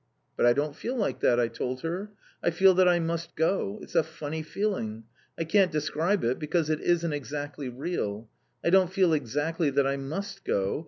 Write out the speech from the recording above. "But I don't feel like that," I told her. "I feel that I must go! It's a funny feeling, I can't describe it, because it isn't exactly real. I don't feel exactly that I must go.